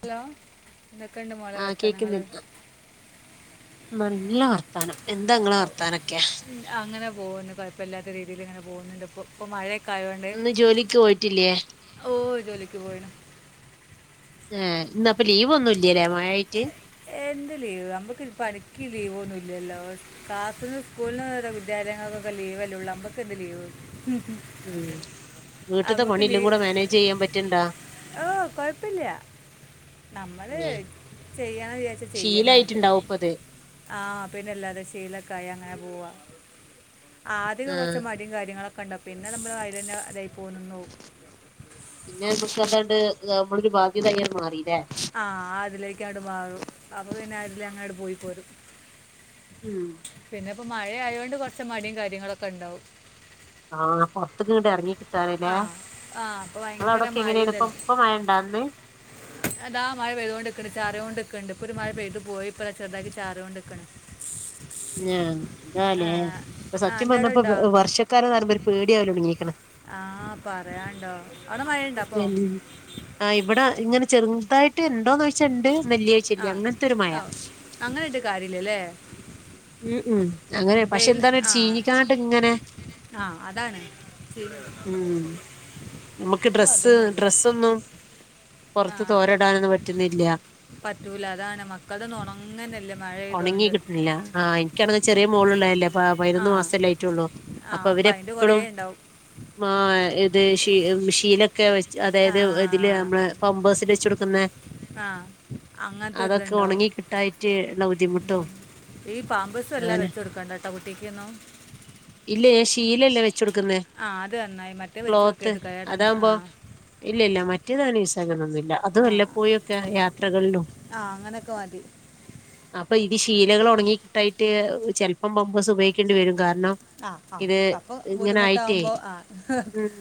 Hello എന്തൊക്കെയുണ്ട് മോളെ ആഹ് വർത്താനങ്ങള്? കേക്കുന്നുണ്ട് നല്ല വർത്താനം എന്താങ്ങളെ വർത്താനൊക്കെയ്. അങ്ങനെ പോകുന്നു കുഴപ്പല്ലാത്ത രീതിയിൽ ഇങ്ങനെ പോകുന്നുണ്ട് ഇപ്പോ അപ്പൊ മഴയൊക്കെ ആയോണ്ട് ഇന്ന് ജോലിക്ക് പോയിട്ടില്ലേ ഓഹാ ജോലിക്ക് പോയിണ്- ഏഹ് ഇന്ന് അപ്പ ലീവ് ഒന്നുല്ല്യാല്ലേ മയയിട്ട്. എന്ത് ലീവ് നമ്മുക്ക് ഇ പണിക്ക് ലീവൊന്നുംല്ലല്ലോ. ക്ലാസ്സിന്ന് സ്കൂളിൽ നിന്ന് വരെ വിദ്യാലയങ്ങൾക്കൊക്കെ ലീവലേ ഉള്ളൂ നമ്മക്കൊക്കെന്ത് ലീവ്. ഉം വീട്ടിത്തെ നമുക്ക് പണിയെല്ലും ലീവ് കൂടെ മാനേജ് ചെയ്യാൻ പറ്റൻണ്ടോ? നമ്മള് ചെയ്യണം വിചാരിച് ചെയ്യെനങ്ങിട്ട്. ശീലായിട്ടുണ്ടാവും ഇപ്പ അത് ആഹ് പിന്നെല്ലാതെ ശീലക്കായ അങ്ങനെ പോവ ആദ്യോക്കെ കൊറച്ച് ആഹ് മടിയും കാര്യങ്ങളൊക്കെ കണ്ട പിന്നെ നമ്മൾ അതിൽ തന്നെ അതായി പോകുന്നുണ്ടവും. പിന്നെ ഇതൊക്കെങ്ങാണ്ട് നമ്മളൊരു ബാധ്യതായി മാറിയില്ലേ? ആഹ് അതിലേക്ക് അങ്ങട്മാറും അപ്പൊ പിന്നെ അതില് അങ്ങട്ട് പോയി പോരും. ഉം. പിന്നെ ഇപ്പോ മഴ ആയത് കൊണ്ട് കുറച്ച് മടിയും കാര്യങ്ങളൊക്കെ ണ്ടാവും. ആഹ് പുറത്തിക്കങ്ങട് ഇറങ്ങി കിട്ടാനല്ലേ ആ ആ അപ്പോൾ നിങ്ങളടെ ഭയങ്കര അവിടൊക്കെ മഴ എങ്ങനെയാണ് ഇപ്പം? ഇതല്ലേ ഇപ്പ മഴ ഉണ്ടാന്ന്- അതാ മഴ പെയ്തുകണ്ട്ക്കണ്ട് ചാറുക കൊണ്ട്ക്കണ്ട് ഇപ്പൊ ഒരു മഴ പെയ്തു പോയി ഇപ്പൊ ദ ചെറുതായി ചാറി കൊണ്ട് ക്കണ്. [inaudible] ഞ എന്താലേ ഇപ്പ സത്യം എൻ്റെ അവിടെ പറഞ്ഞപ്പോ ഉണ്ടോ വർഷക്കാലന്ന് പറയുമ്പോ ഒരു പേടിയാവലൊടുങ്ങിക്കണ്. ആഹ് പറയാണ്ടോ അവടെ മഴണ്ടോ ഇപ്പൊ? തൊടങ്ങീക്ക്ണ് ആഹ് ഇവിടെ ഇങ്ങനെ ചെറുതായിട്ട് ഇണ്ടോന്ന്ച്ചാ ഇണ്ട് ന്ന ആ ഇല്യ അങ്ങനത്തൊരു മഴ. ഓ അങ്ങനെ ഇണ്ട് കാര്യല്ലല്ലേ ഉം ഉം അങ്ങനെ പക്ഷെ വെയിൽ എന്താണ് ചീനിക്കാണ്ട് ഇങ്ങനെ- ആഹ് അതാണ്. ശരി ഉം നമുക്ക് ഇതും ഡ്രസ്സ് അതന്നെ ഉള്ളു ഡ്രസ്സൊന്നും പൊറത്ത് ആ തോരടാനൊന്നും പറ്റുന്നില്ല. പറ്റൂല അതാണ് മക്കടെന്നും ഉണങ്ങനല്ലേ ഉണങ്ങി മഴായ്തൊണ്ട്. കിട്ടുന്നില്ല ആഹ് എനിക്കാണെങ്കി ചെറിയ മോളുള്ളല്ലേ അ ആ പതിനൊന്ന് മാസല്ലെ ആയിട്ടൊള്ളൂ ആ അപ്പൊ അപ്പം അതിൻ്റെ കുറേ അവരെപ്പഴും. ഉണ്ടാവും ആഹ് ഇത് ശി ശീല ഒക്കെ ആ അതായത് ഇതില് നമ്മള് പമ്പ് ഹേസിൽ വെച്ച് കൊടുക്കുന്നെ ആ അങ്ങനത്തെ ഒരു അതൊക്കെ ഇതുണ്ടാവും ഒണങ്ങി കിട്ടായിറ്റ് ഉള്ള ബുദ്ധിമുട്ടും ഈ പാമ്പേസ് എല്ലാ അങ്ങനെ വെച്ച് കൊടുക്കണ്ടാട്ടോ കുട്ടിക്കൊന്നും- ഇല്ലേ ശീലല്ലേ വെച്ച് കൊടുക്കുന്നേ- ആഹ് അത് ന്നായി മറ്റേ വെച്ചു ക്ലോത്ത് കൊടുക്കര്ത് കേടാണ് അതാകുമ്പോ ആഹ്. ഇല്ല ഇല്ല മറ്റേതാന് യൂസാക്കനൊന്നുല്ല. അതു ആ വല്ലപ്പോയൊക്കെ യാത്രകളിലും. ആ അങ്ങനൊക്കെ മതി അപ്പൊ ഇത് ശീലകൾ ഉണങ്ങി കിട്ടായിട്ട് ചെലപ്പം പാമ്പസ് ഉപയോഗിക്കേണ്ടി വരും കാരണം ആഹ് ആഹ് ഇത് അപ്പൊ ഇങ്ങനെ ആയിട്ടേ ബുദ്ധിമുട്ടാവുമ്പോ ആഹ് ഉം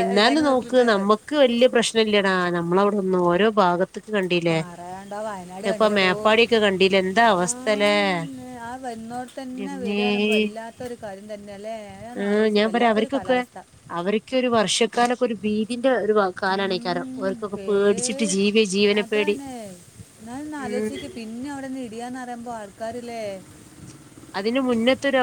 എന്നാല് നോക്ക് നമ്മുക്ക് വല്യ പ്രശ്നം ഇല്ലടാ നമ്മളവിടെന്ന് ഓരോ ഭാഗത്ത് തൊക്കെ കണ്ടീല്ലേ പറയണ്ട വയനാട് ഞാൻ ഇപ്പൊ കണ്ടില്ലടോ മേപ്പാടി ഒക്കെ കണ്ടീലേ എന്താ ആ അവസ്ഥല്ലേ ന്ന് ആ വന്നോട് തന്നെ എന്റമ്മേ വരാണ് വല്ലാത്ത ഒരു കാര്യം തന്നെയല്ലേ ആഹ് ഞാൻ പറയാ അവർക്കൊക്കെ അവർക്ക് ഒരു വർഷക്കാലൊക്കെ ഒരു ഭീതിന്റെ ഒരു കാരനെക്കാരം ഉം, ഓർക്കൊക്കെ പേ പേടിച്ചിട്ട് ജീവി ജീവന പേടി അതാണ് ഞാൻ ഉം ആലോചിക്ക് പിന്നെ അവിടെന്ന് ഇടിയാന്ന്റിയുമ്പോൾ ആൾക്കാരില്ലേ അതിന് മുന്നത്തൊരു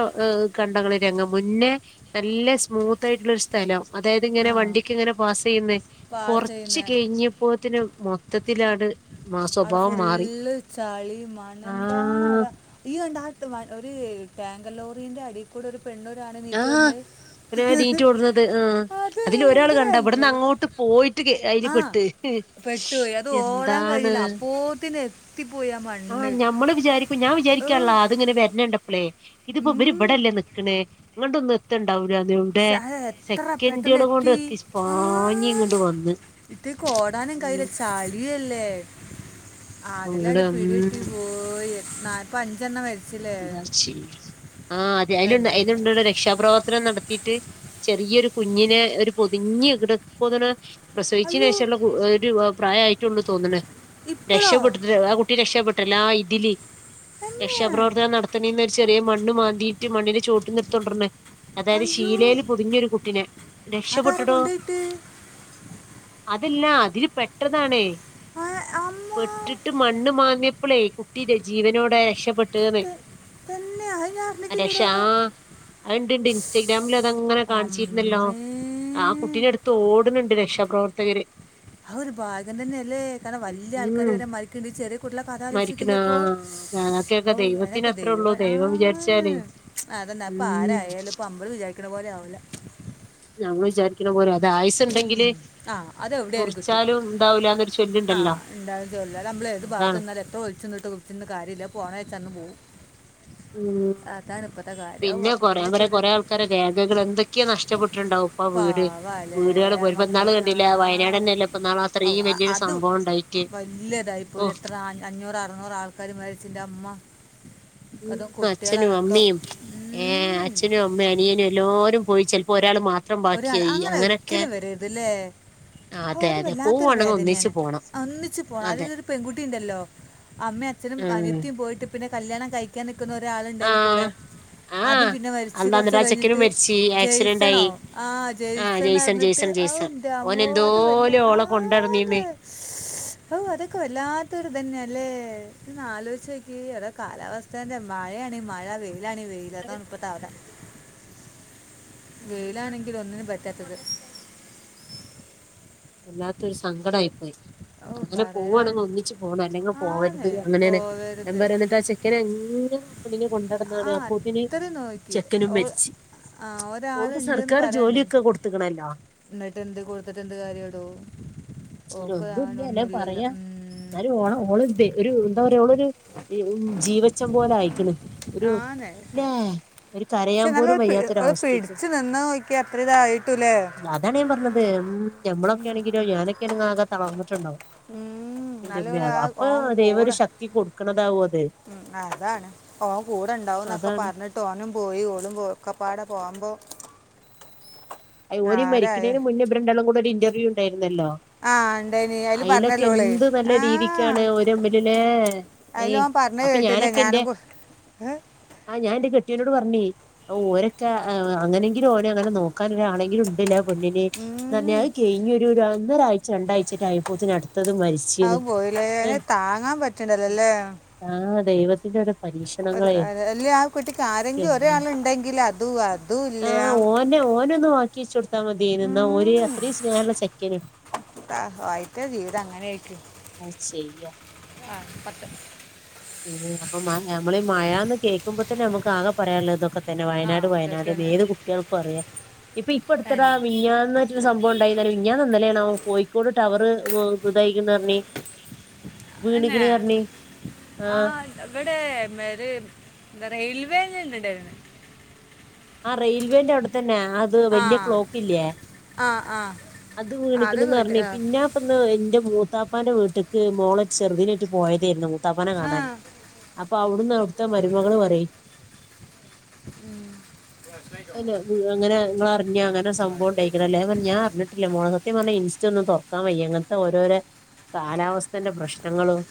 കണ്ടങ്ങള് രംഗം മുന്നേ നല്ല സ്മൂത്ത് ആയിട്ടുള്ളൊരു സ്ഥലം അതായത് ഇങ്ങനെ ആ വണ്ടിക്ക് ഇങ്ങനെ പാസ് ചെയ്യുന്നേ പാസ് കൊറച്ച് ചെയ്യുന്ന കഴിഞ്ഞപ്പോത്തിന് മൊത്തത്തിലങ്ങട്ട് അവിടെ ഫുള്ള് ചളീം മണ്ണും എന്താണ് ആഹ് അവിടെ ഈ കണ്ട ആ ഒരു ടാങ്കർ ലോറിന്റെ അടിയിൽ കൂടെ ഒരു പെണ്ണും ഒരാണും എണീറ്റു വന്നെ ഓർ എനീറ്റ് ഓടുന്നത് ആഹ് അതിൽ ഒരാൾ എന്തൊരു കണ്ട അവിടന്ന് അത്ഭുതം അങ്ങോട്ട് പോയിട്ട് അതിൽ ആ പെട്ട് പെട്ടുപോയി അത് ഓടാൻ എന്താണ് കഴിഞ്ഞില്ല അപ്പോത്തിന് എത്തി പോയി മ ആഹ് ഞമ്മള് വിചാരിക്കും ഞാൻ വിചാരിക്കാള്ളാ അത് ഇങ്ങനെ വരേണ്ടപ്പളേ ഇതിപ്പോ ഇവരി ഉം ഇവിടെല്ലേ നിക്കണ് എ ഇങ്ങോട്ടൊന്നും എത്തണ്ടാവൂലാന്ന് എവിടെ ശ്ശെ, അത് എത്ര പെട്ടെന്ന് സെക്കൻഡുകൾ കൊണ്ട് എത്തി ആ പാഞ്ഞ് ഇങ്ങട്ട് വന്ന് ഇത്തേക്ക് ഓടാനും കയ്യുല ചാ ടല്ലേ ആതിലടി ഫുള്ള് ഉം പിടി കിട്ടി പോയിപ്പ അഞ്ചെണ്ണം വ എന്താപ്പൊ ചെയ്യ ആഹ് അതെ അയിൽണ്ട് എന്താ അയിൽണ്ട് രക്ഷാപ്രവർത്തനം നടത്ത ത്തിട്ട് ചെറിയൊരു കുഞ്ഞിനെ ഒരു പൊതിഞ്ഞ് കിടക്കന പ്രസവിച്ചന് അയ്യോ ശേഷള്ള ഒരു പ്രായമായിട്ടുള്ളു തോന്നണ് ഇപ്പോഴോ രക്ഷപ്പെടുത്തിട്ട് ആ കു കുട്ടി രക്ഷപ്പെട്ട്ല്ല ആ ഇതില് എന്നെ രക്ഷാപ്രവർ എത്തണീന്ന ചെറിയ മണ്ണ് മാന്തിയിട്ട് മണ്ണിന്റെ ചുവട്ടിൽ എട്ത്തോണ്ടരണേ അതായത് അയ്യോ ഷീലേല് പൊതിഞ്ഞൊരു കുട്ടിനെ അതാരാ രക്ഷപെട്ടടോ കൊണ്ടുപോയിട്ട് അതില്ലാ അതിൽ പെട്ടതാണ് ഏഹ് അമ്മോ പെട്ടിട്ട് മണ്ണ് മാന്തിയപ്പോളേ കുട്ടിയുടെ ജീവനോടെ രക്ഷപ്പെട്ടു പ തന്നാ നാ രക്ഷാ അത്ണ്ട്ണ്ട് ഇൻസ്റ്റഗ്രാമിൽ അതങ്ങനെ കാണിച്ചിരുന്നല്ലോ അമ്മേ ആ കുട്ടിനെ എടുത്ത് ഓടുന്നുണ്ട് രക്ഷാപ്രവർത്തകര് അത് ഒരു ഭാഗ്യം തന്നെല്ലേ കാരണം വലിയ ആൾക്കാര് ഉം വരെ മരിക്കണ്ട് ഈ ചെറിയ കുട്ടികള കഥ ആലോചിചോക്കപ്പോ അതൊക്കെ ദൈവത്തി ദൈവം ആന്ന് അതെന്നാ ഇപ്പൊ ഉം ആരായാലും ഇപ്പൊ നമ്മൾ വിചാരിക്കണ പോലെ ആവൂല ഞങ്ങൾ വിചാരിക്കണ പോലും അത് ആയുസുണ്ടെങ്കില് ആ മുറിച്ചാലും ഉണ്ടാവില്ലാന്ന് ആഹ് ഇണ്ടന്ന് ചോല്ല അത് നമ്മൾ ഏത് ഭാഗത്ത് അതാണ് നിന്നാലും എത്ര ഒളിച്ചുനിന്നിട്ടും ന്ന് കാര്യമില്ല പോകണേച്ച അങ്ങ് പോവും ഉം അതാണ് ഇപ്പത്തെ കാര്യം ഔ ആ കുട്ടീന്റെ ഒക്കെ ഒരു ക്കര രേഖകൾ എന്തൊക്കെയാ നഷ്ടപ്പെട്ടിട്ടുണ്ടാവും അപ്പൊ ആ വീട് പാവല്ലേ വീടുകള് ആ പോയി ഇപ്പൊ മക്കൾ ഇന്നാള് ആ കണ്ടില്ലേ വയനാട് തന്നല്ലേ ഇപ്പന്നാള് അത്രയും വലിയൊരു സംഭവം ഉണ്ടായി വല്ല്യ ഇതായി ഇപ്പൊ ഒരു എത്ര അഞ്ഞൂറ് അറുന്നൂറ് ആൾക്കാര് മരിച്ച് ന്റെ അമ്മോ ഉം അച്ഛനും അമ്മയും ഏഹ് ഉം. അച്ഛനും അമ്മയും അനിയനും എല്ലോരും പോയി ചിലപ്പോ ഒരാൾ മാത്രം ഒരാൾ ബാക്കിയായി അങ്ങനെ അങ്ങനൊക്കെ ഒരിക്കലും വരരുത് ല്ലേ ഹോ അതെ അത് അതെ വല്ലാത്തൊരു പോവാണെങ്കി ഒന്നിച്ച് വേദനയാണ് പോണം ഒന്നിച്ചു പോണം അതെ അതില് ഒരു പെൺകുട്ടി ഉണ്ടല്ലോ അമ്മ അച്ഛനും ഉം അനിത്തിയും പോയിട്ട് പിന്നെ കല്യാണം കഴിക്കാൻ നിൽക്കുന്ന ഒരാളുണ്ടായിരുന്നു കൂടെ ആഹ് അതും ആഹ് പിന്നെ മരിച്ച് അള്ളാ കുറച്ച് എന്നിട്ട് ആ ചെക്കനും കഴിഞ്ഞിട്ട് മരിച്ച് ആക്സിഡന്റ് ആയി ജയിസണോ ആഹ് ആഹ് ജയിസൺ ന്ന് ജെയ്സൺ പറഞ്ഞിട്ട് ജെയ്സൺ ജെയ്സൺ ഓൻ ഔന്റമ്മോ അതുവല്ല എന്തോലും ഓളെ കൊണ്ടടന്നീമേ ആന്ന് ഓഹ് അതൊക്കെ വല്ലാത്തൊരു ഇതന്നെയല്ലേ, ഇജ് ഒന്ന് ആലോചിച്ചോക്കിയേ, ഓരോ കാലാവസ്ഥ സ്ഥന്റെ മാഴയാണേ മഴ, വെയിലാണേൽ വെയിൽ, അതാണ് ഇപ്പത്തെ അവ വെയിലാണെങ്കിൽ ഒന്നിനും പറ്റത്തില്ല വല്ലാത്തൊരു സങ്കടം ആയിപ്പോയി ഓ അങ്ങനെ പറയാൻ പോവാണെങ്കിൽ ഒന്നിച്ച് പോണം അല്ലെങ്കിൽ പോവരുത് ആണേ അങ്ങനെയാണ് ഞാൻ പോവരുത് പറയുന്ന എന്താച്ചാ ക്കൻ എങ്ങനെ ആ പെണ്ണിനെ കൊണ്ടടന്നാണ്. ആ അപ്പോപ്പിന്നെ അത്ര നോക്കി ചെക്കനും ഓ മരിച്ച് ആ ഓൾക്ക് ഒരാളുണ്ടെന്ന് സർക്കാർ പറയണ്ടേ ജോലിയൊക്കെ കൊടുത്തക്കണല്ലോ എന്നിട്ട് എന്ത് കൊടുത്തിട്ട് എന്ത് കാര്യം ടോ എന്നാലും ഓക്ക് അവൻ ഒന്നുല്ല അല്ല ഒന്നുംല്ലല്ലോ പറയാ ഉം എന്നാലും ഓള ഓള് ഇത ഒരു എന്താ പറയാ ഓളൊരു ജീവച്ചം പോലെ ആയിക്കണ് ഒരു ആണേ ഇല്ലേ ഒരു കരയാൻ പക്ഷെ നല്ല പോലും ഒരു പി- ഒരു വയ്യാത്തൊരവസ്ഥക്കണ് പിടിച്ച് നിന്ന് നോക്കി അത്ര ഇതായിട്ടില്ലേ അല്ല അതാണ് ഞാൻ പറഞ്ഞത്, ഉം ഞമ്മളൊക്കെ ആണെങ്കിലോ ഞാനൊക്കെ ക്കെ ആണെങ്കി ആകെ തളർന്നിട്ടുണ്ടാവും ഉം എന്റെമ്മേ അത് അപ്പൊ ദൈവം ഒരു ശക്തി കൊടുക്കണതാവും അത് ഉം അതാണ് ഓൻ കൂടെണ്ടാവും എന്നൊക്കെ അതാണ് പറഞ്ഞിട്ട് ട്ട് ഓനും പോയി, ഓളും പോ ഒക്കപ്പാടെ പോകുമ്പോൾ അയ് ഓന് ആരായ മരിക്കണേന് മുന്നെ ഇവര് രണ്ടാളും കൂടെ ഒരു ഇന്റർവ്യൂ ഉണ്ടായിരുന്നല്ലോ ആഹ് ഉണ്ടേന് അയ്ല് അയിലൊക്കെ പറഞ്ഞല്ലോ ഓള് എന്ത് നല്ല ആഹ് രീതിക്കാണ് ഓര് തമ്മിലില്ലേ അതില് ഏയ് ഓൻ പറഞ്ഞ കേട്ടില്ലേ ഞാനും കൊ ആഹ് ഞാൻ എന്റെ കെട്ടിയോനോട് പറഞ്ഞ് ഓരൊക്കെ അങ്ങനെങ്കിലും ഓനെ അങ്ങനെ നോ ക്കാൻ ഒരാളെങ്കിലും ഉണ്ടല്ലോ ആ പെണ്ണിന് ന്ന് പറഞ്ഞ ഉം. കയിഞ്ഞൊരു ര ഒന്നൊരാഴ്ച രണ്ടാഴ്ചയൊക്കെ ആയപ്പോത്തിന് അടുത്തതും മരിച്ചു ആഹ് പോയില്ലേ താങ്ങാൻ പറ്റണില്ലല്ലേ ആഹ് ദൈവത്തിൻ്റെ ഓരോ ഒരു പരീക്ഷണങ്ങളെ അല്ല ആ കുട്ടിക്ക് ആരെങ്കിലും ന്റെമ്മേ ഒരാൾ ഉണ്ടെങ്കിൽ അതും അതും ഇല്ല ന്നെ ഓനെ ഒന്ന് വാക്കി വെച്ച് കൊടുത്താ മതിയാരുന്നു എന്നാ. ഓന് ഉം. അത്രയും സ്നേഹമുള്ള ചെക്കന [unintelligible] ജീവിതം അങ്ങനെ ആയിരിക്കും അഹ് ശരിയാ ആഹ് പത്ത് അപ്പൊ മ നമ്മളീ ഈ മഴാന്ന് കേൾക്കുമ്പോ തന്നെ നമുക്ക് ആകെ പറയാനുള്ളത് ഇതൊക്കെ ത തന്നെ ആ വയനാട് വയനാട് ന്ന് ഇതൊക്കെയാണ് ഏത് കുട്ടികൾക്കും അറിയാം ഇപ്പൊ ഇപ്പടുത്തടാ മിനിഞ്ഞാന്നൊരു സംഭവം ഒണ്ടായി [unintelligible] മിനിഞ്ഞാന്നോ ഇന്നലെയാണോ ആവോ പോയി ക്കോട് ടവറ് ഇതായിക്കുന്ന് പറഞ്ഞ്, എന്നെ വീണിക്കണ് പറഞ്ഞ് ആ ആഹ് ഇവിടെ [unintelligible] റെയിൽവേ തന്നെ ഉണ്ടായിരുന്നു ആഹ് റെയിൽവേന്റെ അവിടെ തന്നെ ആ ത് വല്യ ക്ലോക്കില്യേ ആ ആ അത് ആ, വീണക്കണ് ന്ന് കേട്ട് പറഞ്ഞ് ആ പിന്നെ ടുന്ന് എന്റെ മൂത്താപ്പാന്റെ വീട്ടേക്ക് മോള ചെറുതിനായിട്ട് പോയതായിരുന്നു മുത്താപ്പാനെ ആ കാണാൻ, അപ്പൊ അവിടുന്ന് അവിടുത്തെ മരുമകള് പറയും ഉം [unintelligible] അങ്ങനെ നിങ്ങൾ അറിഞ്ഞാ അങ്ങനെ സംഭവം ണ്ടായിക്കണ് ല്ലേ ന്ന് പറഞ്ഞ്, ഞാൻ അറിഞ്ഞിട്ട് ല്ല മോളെ സത്യം പറഞ്ഞാ ഇൻസ്റ്റ ന്നും ഒന്നും തുറക്കാൻ വയ്യ, അങ്ങനത്തെ ഓരോരോ കാലാവസ്ഥന്റെ പ്രശ്നങ്ങളും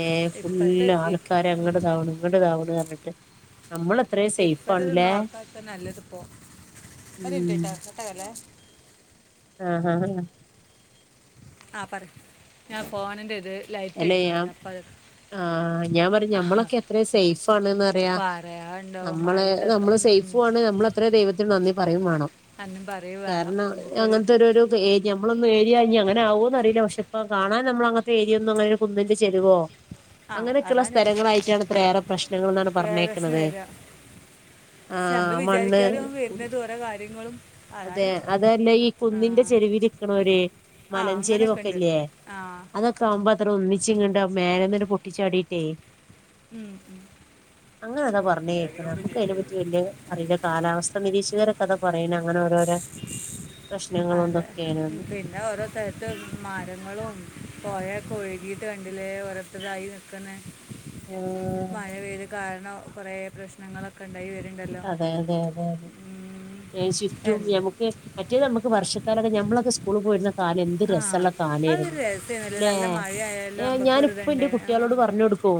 ഏഹ് ഇപ്പത്തെ ഫുള്ള് ഇ- ആൾക്കാര് ഉം. അങ്ങടതാവണ് ഇങ്ങടതാവണ് ന്ന് പറഞ്ഞിട്ട് നമ്മള് ത്രയും സേഫ് ആണല്ലേ ഇപ്പ നല്ലത്പ്പോ ഒരു ഉം മിനിറ്റ്ട്ടോ കട്ട് ആക്കല്ലേ ആഹ് ആഹ് ആഹ് ആഹ് പറ ഞാൻ ഫോണിന്റെ ഇത് ലൈറ്റ് അല്ല ഞാൻ അടിക്കുന്നരുന്നു അപ്പ അത് ആഹ് ഞാൻ പറഞ്ഞെ ഞമ്മളൊക്കെ എത്രയോ സേഫ് ആണെന്ന് പറയാ, പറയാണ്ടോ മഴ നമ്മള് ഇതൊക്കെ നമ്മള് സേഫ് ഉം. ഫുമാണ് നമ്മൾ അത്ര ദൈവത്തിന് നന്ദി പറയും വേണം, അന്നും പറയുക വേണം കാരണം നമുക്കൊരു അങ്ങനത്തെ ഒരു ഒരു നമ്മളൊന്നും ഏര്യ ഞ്ഞി അങ്ങനെകോന്നറീല്ല പക്ഷെ ഇപ്പ കാണൻ ഞമ്മളങ്ങൻത്തെ ഏ ര്യൊന്നുങ്ങനെരു കുന്നിന്റെ ചെരിവോ ആ അങ്ങനെക്കെള്ള അതാണ് സ്ഥലങ്ങളായിട്ടാണ്ത്രെ ഏറെ പ്രശ്നങ്ങള്ന്നാണ് പ്രേരസിന് പറഞ്ഞേക്ക്ണത്. വരിക പക്ഷെ നമ്മൾ ആഹ് മണ്ണ് വിചാരിക്കാതെ വരുന്നത് ഓരോ കാര്യങ്ങളും അതെ അതാണ് അതല്ലേ ഈ ആ കുന്നിന്റെ ചെരുവിലിരിക്ക്ണോര് മലഞ്ചെരുവൊക്കെല്ലേ? ആഹ് കാമ്പാത്രെ ഒന്നിച്ചിങ്ങ്ട് മേലന്ന്ങ്ട് പൊട്ടിച്ചാടീട്ടേയ് ഉം, ഉം. അങ്ങനെതാ പറഞ്ഞ് കേക്ക നക്ക്മ്മ അയിനെ പറ്റി വല്യേ അറിയില്ല കാലാവസ്ഥ നിരീക്ഷകര കഥ പറീണ് അങ്ങനോരോരെ അതെ പ്രശ്നങ്ങളൂതൊക്കെണ്ന്ന്. പിന്നെ ഓരോ സ്ഥലത്ത് മരങ്ങളും പോയൊക്കെ ഒഴുകീട്ട് കണ്ടില്ലേ ഓരോര്ത്തര്തായി നിക്കുന്ന. ആഹ് മഴ പെയ്ത് കാരണം കൊറേ പ്രശ്നങ്ങളൊക്കെ ഉണ്ടായി വരണ്ട അതെ അതെ അതെ അതെ ഷിഫ്റ്റും എന്ത് ഞമ്മക്ക് മറ്റേത് നമുക്ക് വർഷക്കാലൊക്കെ നമ്മളൊക്കെ സ് സ്കൂള് പോയിരുന്ന കാലെന്ത് ആ രസള്ള അതൊരു കാലേര്ന്ന് രസമായിരുന്നല്ലേ ല്ലേ? നല്ല മഴയായാലും നമുക്കൊരു ഞാനിപ്പ ന്റെ ഇതുണ്ടായിരുന്നു ആ കുട്ട്യേളോട് പറഞൊഞ് കൊടുക്കും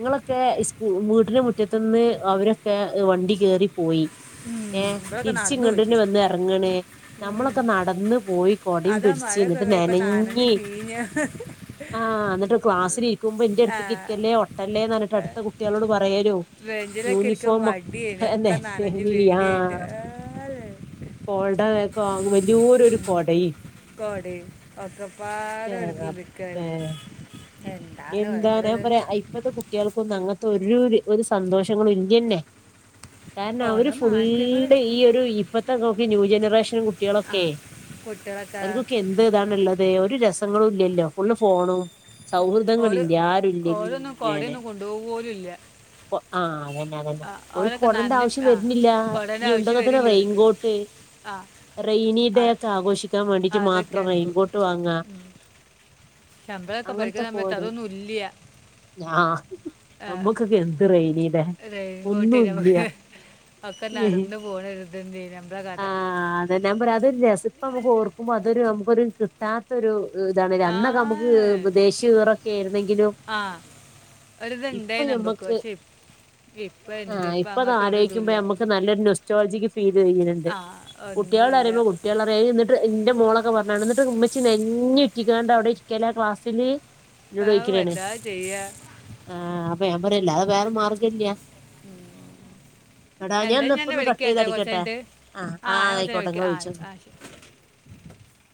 ങ്ങ്ളൊക്കെ സ് വീട്ട്നു മുറ്റത്ത്ന്ന് അവരൊക്കെ വണ്ടി കേറി പോയി ഉം, ഏ ഇവിടെയൊക്കെ നടന്നു തിരിച്ച്ങ്ങ്ടെന്നെ പോയിക്കും വന്നെർർങ്ങ്ണേ നമ്മളൊക്കെ നടന്ന് പോയി കൊടേം അതാ പിടിച്ച് മഴയൊക്കെ ഞ്ഞിട്ട് കഴിക്കൊക്കെ നനഞ്ഞ് നെനഞ്ഞ് പിഴിഞ്ഞ് ആ ന്നിട്ട് ക്ലാസ്സിലിരിക്കുമ്പോ ന്റെ ആ, അടുത്ത്ക്ക് ഇരിക്കല്ലേ ഒട്ടല്ലേന്നറിട്ട് അടുത്ത കുട്യളോട് പറയലും വെഞ്ചിലൊക്കെരിക്കാം മട്യേ അന്നെ ആ [unintelligible] അല്ലേ [unintelligible] കോടയൊക്കെ വാങ്ങും വല്യേരു രു കോടീം കോടീം ഒക്കപ്പാടെരു വെറതി [unintelligible] മിക്ക എന്താണ് ഞാ പറയാ ഇപ്പത്തെ കട്യേൾക്കൊന്നും അങ്ങൻത്തെ ഒരു ഒരു സന്തോഷങ്ങളും ഇല്ലന്നെ കാരണം അവര് ഓരോ മാറ്റങ്ങൾ ഫുള്ള് ഈ ഒരു ഇപ്പത്തെ നോക്കി ന്യൂ ജനറേഷൻ- ആ കുട്യേളൊക്കെ കുട്ടികളൊക്കെ അവർക്കൊക്കെ എ ന്ത് താണ്ള്ളത് ഒരു രസങ്ങളു ല്ലല്ലോ ഫുള്ള് ഫോണും സൗഹൃ ങ്ങളില്ലാ ഓരോ ആരുല്ല ഓരോന്നും ഇങ്ങനെ കുടയൊന്നും കൊണ്ടുപോകും ഇല്ല ആഹ് അതന്നെ അതന്നെ ആ ഒല്ക്ക് അവരൊക്കെ കൊടന്റെ നനഞ്ഞ് ആവശ്യം ആ വരുന്നില്ലാ കുടേൻ്റെ ഞി ആവശ്യം ഉണ്ടങ്ങിത്തന്നെ വരില്ല അവർക്ക് റെയിൻകോട്ട്. ആ റെയിനീടെ ആ- ഒക്കെ ആഘോഷിക്കാൻ വേണ്ടീട്ട് മാത്രം അതൊക്കെയാണ് ഇപ്പോൾ റെയിൻകോട്ട്. കോട്ട് വാങ്ങ. ഞമ്മളൊക്കെ പഠിക്ക്ണ അങ്ങനത്തൊക്കെ സമേത്ത് ഓരോ അതൊന്നൂല്ല്യ. ആ നമ്മുക്കൊക്കെ എന്ത് റൈനീഡെ. നമുക്ക് ഒക്കെ നടന്നു പോണരുതേര്ന്നു നമ്മടെ കഥ. ഞാ പറഅതൊരു രസ പ്പ ഞമ്മക്ക് ഓർക്കുമ്പോ അതൊരു നമക്കൊരു ട്ടാതൊരു താണ് ലെ അന്നൊക്കെ നക്ക്മ്മ ആ ദേശ്യൊറെക്കേര്ന്നെങ്കിലും ആ ഇപ്പൊ ഒരിതുണ്ടായി നമുക്ക് ഞമ്മക്ക് പക്ഷെ ഇപ്പം ഉണ്ട് ആഹ് ഇപ്പം ഇപ്പൊ അങ്ങനത്തെ ഒരു താലൊയിക്കുമ്പോ ഇതുമില്ല ഞമ്മക്ക് നല്ലൊരു നെസ്റ്റോൾജിക് ഫീലെയ്യ്ണ്ണ്ട് ആ ഒന്നുമില്ല കുട്യോൾടറീമ്പോ- റകുട്യേള എയ് ന്നിട്ട് ന്റെ മോളൊക്കെ പറഞ്ഞാണ് ന്നിട്ട് മ്മച്ചി നെഞ്ഞറ്റീക്കാണ്ടവടെരിക്കലാ ക്ലാസ്സില്. എന്നോട് ആ ചോയിക്കലാണ് എന്താ ചെയ്യുക ആഹ് അപ്പൊ ഞാപറയും അല്ലാതെ വേറെ മാർഗ്ഗല്ല്യ. [inaudible] എടാ എന്താ ഞാന്ന് ഞാൻ പ്പോന്ന് വിളിക്കാം കട്ടീ കേട്ടോ കുറച്ച് തടിക്കട്ടെ? കഴിഞ്ഞിട്ട് അ ആ ഞാൻ ആഹ് കുറച്ച് കഴിഞ്ഞ് ആയിക്കോട്ടെ വിളിക്കാം ങ്ങള് വിളിച്ചോ. ആ ആ ശരി